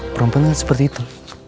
perempuan kan seperti itu